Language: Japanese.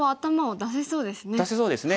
出せそうですね。